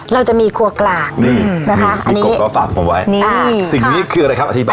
เราจะมีครัวกลางนะคะมีกบก็ฝากมันไว้สิ่งนี้คืออะไรครับอธิบาย